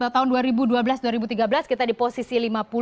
tahun dua ribu dua belas dua ribu tiga belas kita di posisi lima puluh